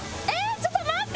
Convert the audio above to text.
ちょっと待って！